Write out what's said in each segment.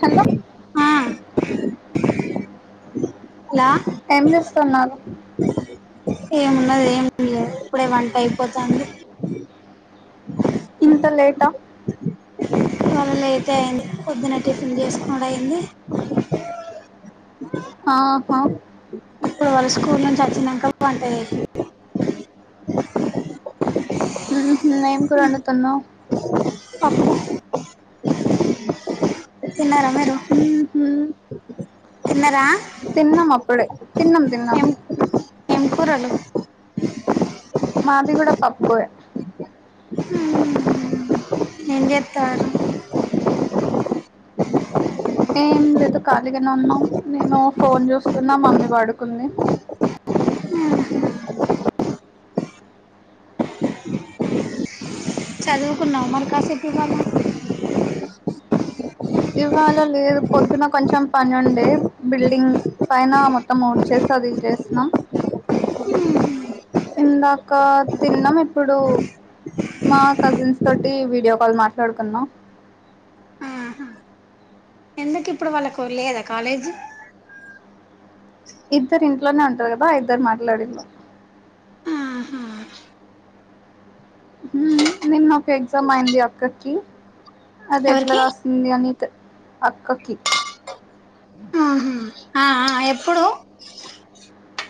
hello అ ఏం చేస్తున్నారు ఏమున్నది ఏమలేదు ఇప్పుడే వంట అయిపోత్నది [inaudible] ఇంత లేటా అ లేట్ అయింది పొద్దున టిఫిన్ చేసుకోనుడు అయింది ఆహా ఇప్పుడు వాళ్ళ స్కూల్ నుంచి వచ్చినాక వంట చేసిన ఉహు ఎం కూర వొండుతున్నావ్ పప్పు తిన్నార మేడం తిన్నార తిన్నం అప్పుడు తిన్నం తిన్నం ఎం కూరలు మాది కూడా పప్పుఎ ఎం జెతవుర్ ఏం లేదు ఖాళీగానే ఉన్నాం నేను ఫోన్ చూస్తున్నా మమ్మీ పడుకుంది చదువుకున్నావు మరి కాసేప్పు ఎమ్నా ఇవాళ్ళ లేదు పొద్దున కొంచెం పని ఉండే బిల్డింగ్ పైన మొత్తం ఉడ్చేసి సదీ చేసినా [inaudible] ఇందాక తిన్నాం ఇప్పుడు మా కజిన్స్ తోటి వీడియో కాల్ మాట్లాడుకుంనం ఆహా ఎందుకు ఇప్పుడు వాళ్ళకు లేదా కాలేజీ ఇద్దరు ఇంట్లోనే ఉంటారు గదా ఇద్దరు మాట్లాడిళ్ళు ఆహా మ్ నిన్నా ఎగ్జామ్ అయింది అక్కకి అది ఎట్లా ఎవరికి రాసింది అని అక్కకి ఆహా ఆ ఆ ఎప్పుడు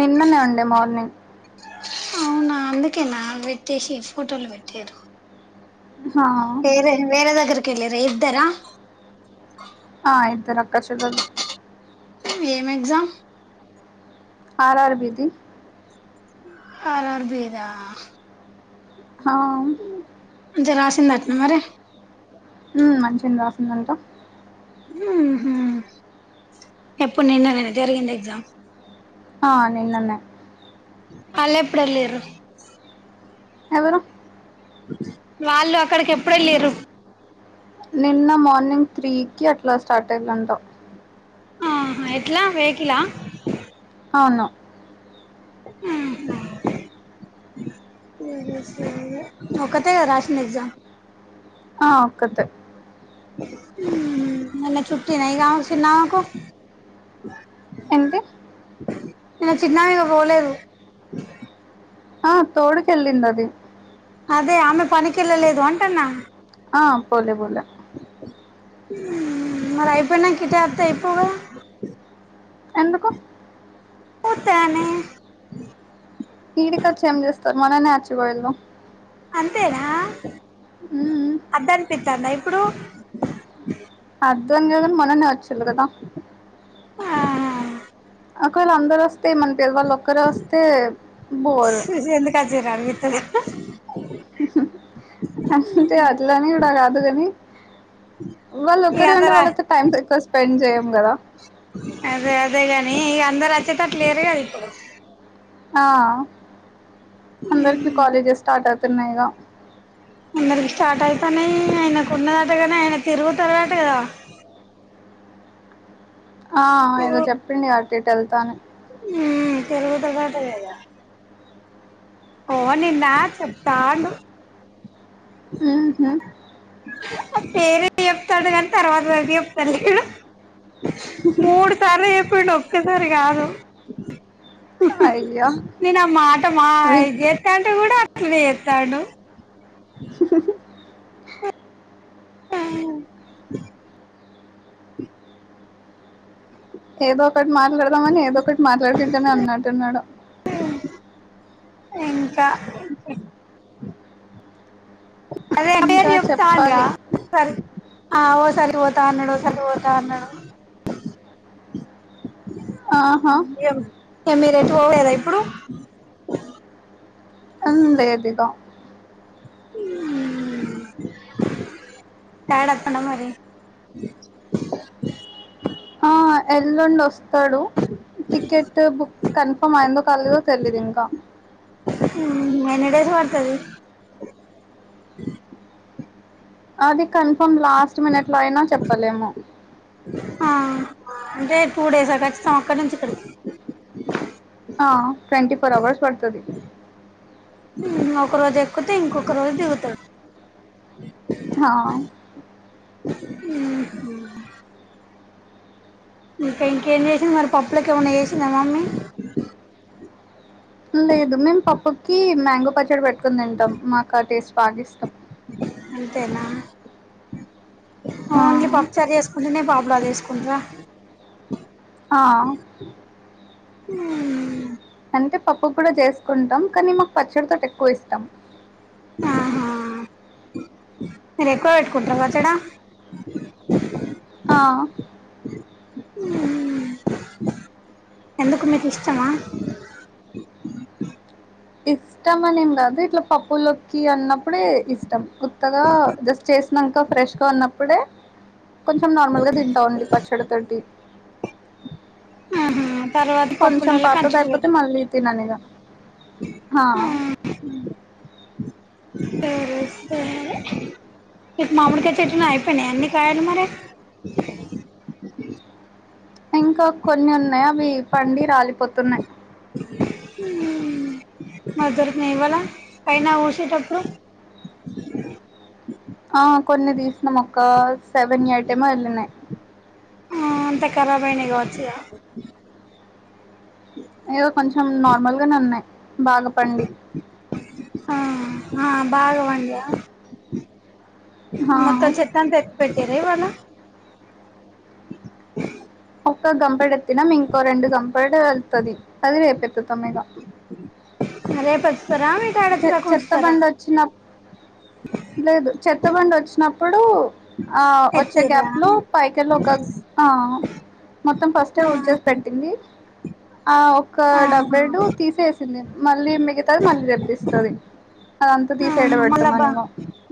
నిన్ననే ఉండే మార్నింగ్ అవునా అందుకేనా పెట్టేసి ఫోటోలు పెట్టిరు హా వేరే వేరే దగ్గర కెళ్ళిరు ఇద్దార ఆ ఇద్దరక్క చెల్లెల్లు ఏం ఎగ్జామ్ ఆర్ అర్ బీది అర్ అర్ బిదా అ మంచిగ రాసిందట్న మరి మ్ మంచిగనే రాసిందంటా మ్ హు ఎప్పుడు నిన్ననేన జరిగింది ఎగ్జామ్ ఆ నిన్ననే అళ్ళేప్పుడేల్లిర్రు ఎవరు వాళ్ళు అక్కడికి ఎప్పుడేల్లిర్రు నిన్న మార్నింగ్ త్రీకట్లా స్టార్ట్ అఇందంటా ఆహ ఎట్లా వెకిలా అన్న మ్ హు మ్ హు సరే ఒక్కతేగా రాసింది ఎగ్జామ్ ఆ ఒక్కతే మ్ మళ్ళ ట్రిప్టిన ఇగ ఆమెకు చిన్నమేకు ఏంటి ఇగ చిన్నమీగా పోలేదు తోడుకెళ్ళిందది అదే ఆమె పనికేళ్ళలేదు అంటన్నా ఆ పోలే పోలే మ్ మరి అయిపోయినంక ఇటే అత్తే అయిపోవు కదా ఎందుకు ఉత్తగనే మొన్ననే అచ్చి పోయిండు అంతేనా మ్మ్ అద్దనిపితందా ఇప్పుడు అద్దు అన్నది గని మొన్ననే అచ్చిళ్ళు కదా ఆహా ఒకవేళ అందరోస్తే మన తేల్ వాళ్ళు ఒక్కరే వస్తే బోర్ ఎందు కర్రు అనిపిత్తది అంతే అట్లని కూడా కాదు కాని వాళ్ళు ఇగ ఒక్కరే ఉంటే అందరు వాళ్ళతో టైం ఎక్కువ స్పెండ్ చేయ్యం కదా అదే అదేగాని ఇగ అందరు వచ్చేటట్లు లేరు కదు ఇప్పుడు ఆ అందరికి కాలేజెస్ స్టార్ట్ అవుతున్నాయి ఇగ అందరికి స్టార్ట్ అయితానయి ఆయనకు ఉన్నదాటగాని ఆయన తిరుగుతటగ కదా ఆ ఏదో చెప్పండుగా అటు ఇటు వెళ్తా అని మ్ తిరుగుతడాట కదా ఓ నిన్న చెప్తాండు ఉహు ఆ పేరే చెప్తాడు కాని తర్వాతది అయితే చెప్తాలేడు మూడుసార్లు చెప్పిండు ఒక్కసారి కాదు అయ్యో నేను ఆ మా మా వి చేతాండూ టే కూడా అట్లనే చేతాండూ ఆ ఏదో ఒకటి మాట్లాడదామని ఏదో ఒకటి మాట్లాడుకుంటనే అన్నట్టున్నాడు ఇంకా అదే పేరు ఇంకా చెప్తాండు గా చెప్పాలి ఆ ఓసారి పోతా అన్నాడు ఓసారి పోతా అన్నాడు ఆహా ఇగ మీరు ఎటు పోవుడు లేదా ఇప్పుడు ఆ లేదు ఇక ఉ డాడీ అత్తడా మరి ఆ ఎల్లుండి వస్తాతాడు టికెట్ బుక్ కన్ఫర్మ్ అయిందో కలిదో తెలిదు ఇంకా ఉ ఎన్ని డేస్ పడతది అది కన్ఫర్మ్ లాస్ట్ మినిట్ లో అయినా చెప్పలేము ఆ అంటే టూ డేస్ ఆ కచ్చితాం ఒక్కడి నుంచి ఇక్కడికి ఆ ట్వంటీ ఫోర్ అవర్స్ పడుతుంది ఒక రోజు ఎక్కుతే ఇంకొక రోజు దిగుతాడు హ ఉ హు ఇకా ఇంకేం చేసింది మరి పప్పులలకు ఏమన్నా చేసిందా మమ్మీ లేదు మేము పప్పుకి మ్యాంగో పచ్చడి పెట్టుకుని తింటాం మాకు ఆ టేస్ట్ బాగా ఇష్టం అంతేనా ఆ, ఓన్లీ పప్పుచారు చేసుకుంటనే పాపడాలు చేసుకుంట్రా ఆ ఉ అంటే పప్పు కూడా చేసుకుంటాం కానీ మాకు పచ్చడి తోటి ఎక్కువ ఇష్టం ఆహా మీరు ఎక్కువ పెట్టుకుంటార పచ్చడ ఆ, ఉ హు ఎందుకు మీకు ఇష్టమా ఇష్టం అనేం కాదు ఇట్లా పప్పులకి అన్నం అప్పుడే ఇష్టం కొత్తగా జస్ట్ చేసినాక ఫ్రెష్ గా ఉన్నప్పుడే కొంచెం నార్మల్ గా తింటావుండి పచ్చడితోటి ఉ హు తర్వాత కొంచెం పప్పులలో పాతది అంచుకు అయిపోతే మళ్ళీ పెట్టుకుంటాం తిననిగా ఉ హు సరే మరి మీకు మామిడికాయ చెట్టు ఉండే కాయలు అన్నీ అయిపోయా ఇంకా కొన్ని ఉన్నాయి అవి పండి రాలిపోతున్నాయి ఉ అమ్మ దొరికినాయా ఇవాళ పైన ఊసేటప్పుడు ఆ కొన్ని తీసిన అక్క సెవెన్ ఐటమ్ ఏమో వెళ్లినాయి ఆ అంత కరబైనాయి కావచ్చు ఏదో కొంచెం నార్మల్గానే ఉన్నాయి బాగాపండి ఆ ఆ బాగా పండినయ్య ఆ మొత్తం చెత్త అంత ఎత్తి పెట్టేర ఈయాల ఒక్క గంపెడెత్తినం ఇంకో రెండు గంపెడు వెళ్తుంది అది రేపు ఎత్తుతం ఇగ రేపట్ చెత్ చెత్త బండి వచ్చినప్ లేదు చెత్తబండి వచ్చినప్పుడు ఆ ఒచ్చే ఎత్తిర్రా గ్యాప్ లో పైకెల్ ఒక ఆ మొత్తం ఫస్టే ఆ ఊడ్చేసి పెట్టింది ఆ ఒక ఆహా డబ్బెడు తీసేసింది మళ్ళీ మిగతది మళ్ళీ రేప్ దిస్ ఉమ్ మళ్ళ బ పెడతామని ఇగ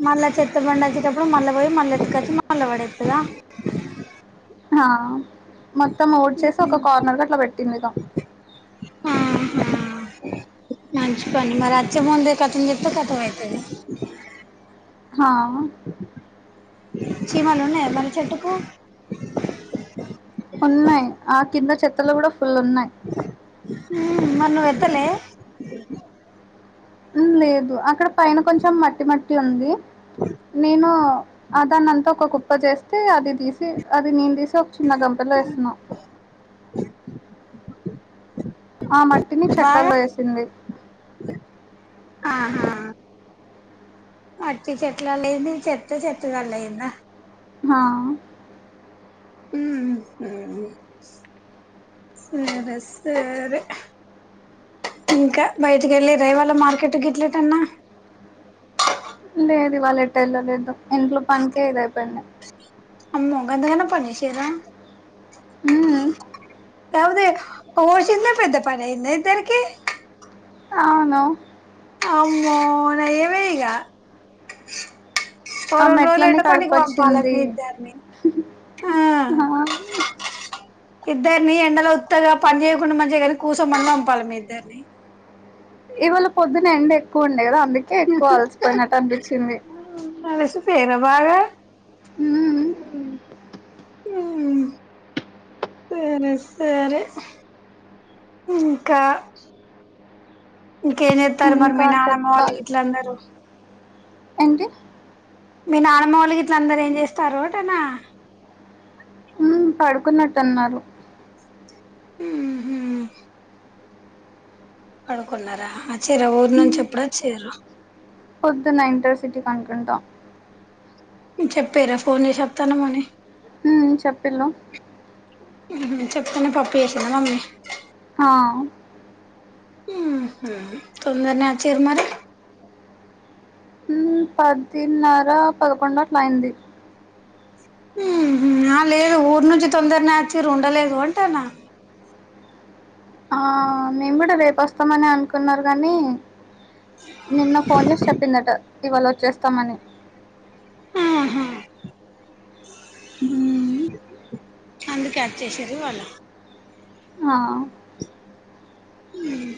మళ్ళ చెట్టబండి అచ్చేటప్ ప్పుడు మళ్ళ వోయి మళ్ళ ఎత్తుకొచ్చి మళ్ళ వడేత్తద ఆ మొత్తం ఊడ్చేసి ఒక కార్నర్కి అట్లా పెట్టింది ఇగ హ్మ్ మంచి పని మరి అచ్చేముందే కథం చేత్తే కథం అయితది హా చీమలు ఉన్నాయ మరి చెట్టుకు ఉన్నయి ఆ కింద చెత్తలో కూడా ఫుల్ ఉన్నయి ఉమ్ మరి నువ్ ఎత్తలే ఉమ్ లేదు అక్కడ పైన కొంచం మట్టి మట్టి ఉంది నేను ఆ దాన్నంతా ఒక కుప్ప చేస్తే అది తీసి అది నేన్ తీస్ తోక్ చిన్న గంపలో ఏస్తున్నా ఆ మట్టిని బాగా చెట్లల్లో ఏసింది ఆహా మట్టి చెట్లల్ అయింది ఈ చెత్త చెత్తదాంట్లైందా హా ఊఉ ఉహు ఏ డ్రెస్ వేరే ఇంకా బయటికి ఎల్లిన్రా ఇవ్వాళ మార్కెట్ గిట్ల ఎటన్నా లేదు వాళ్ ఎట్ ఎళ్ళ లేదు ఇంట్లో పనికే ఇది అయిపోయింది అమ్మో గంత గణం పని చేసిన్ర ఉమ్ కౌదే ఓ షిన్న పెద్ద పనైంద ఇద్దరకి అవును అమ్మో నయమే ఇగ ఓ ఆ రొండు రోజులు మెట్లన్నీ ఇట్ల పనికి పంపాలి మీ ఇద్దర్ని హా మ్ ఇద్దర్ని ఎండలో ఉత్తగా పని చేయకుండా మంచిదేగానీ కూర్సొమని పంపాలి మీ ఇద్దర్ని ఇవాళ పొద్దున ఎండ ఎక్కువ ఉండే కదా అందుకే ఎక్కువ అలసిపోయినట్టు అనిపిచింది అలిసిపోయిన్ర బాగా మ్మ్ ఉమ్ ఊమ్మ్ సరే సరే ఇంకా ఇంకేం చేత్తన్రు మరి ఇంకా మీ నానమ్మ వాళ్ళు చెప్పాలి గిట్లా అందరూ ఏంటి మీ నానమ్మ వాళ్ళు గిట్లా అందరూ ఏం చేస్తాన్రు అంటున్నా ఉమ్ పడుకున్నట్టున్నారు ఉహు పడుకున్నరా అచ్చిన్ర ఊర్ నుంచి ఎప్పుడు అచ్చిన్రూ పొద్దున్న ఇంటర్ సిటీకి అనుకుంటా చెప్పిన్రా ఫోన్ చేసి అత్తాన్నమని ఉమ్ చెప్పిన్లు మ్మ్ మ్మ్ చెప్పకనే పప్పు వేసిందా మమ్మీ ఆ మ్మ్ హు తొందరనే వచ్చారు మరి మ్మ్ పదిన్నర పదకొండు అట్లయింది మ్మ్ హు ఆ లేదు ఊరు నుంచి తొందరనే వచ్చిర్రు ఉండలేదు అంటన్నా ఆ హ మేము కూడా రేపొస్తామనే అనుకున్నారు గానీ నిన్న ఫోన్ చేసి చెప్పిందట ఇవాళ వచ్చేస్తామని మ్మ్ హు మ్మ్ అందుకే వచ్చేసిరి వాళ్ళు ఆ మ్మ్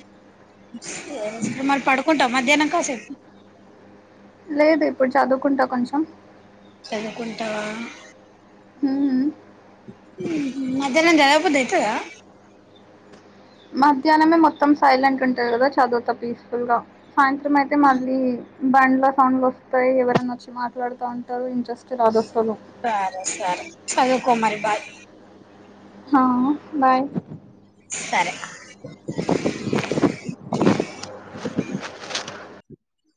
ఏ మరి పడుకుంటావ మధ్యానం కాసేపు లేదు ఇప్పుడు చదువుకుంటా కొంచం చదువుకుంటావా మ్మ్ మ్మ్ హు మధ్యానం చదవబుద్ధి అయితదా మధ్యానమే మొత్తం సైలెంట్ ఉంటది గదా చదువుతా పీస్ఫుల్ గా సాయంత్రం అయితే మళ్ళీ బండ్ల సౌండ్లు వస్తాయి ఎవరన్నా వచ్చి మాట్లాడుతా ఉంటారు ఇం జెస్ట్ రాదస్తులు సరే సరే చదువుకో మరి బాయ్ ఆ బాయ్ సరే